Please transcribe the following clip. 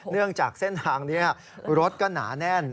เนื่องจากเส้นทางนี้รถก็หนาแน่น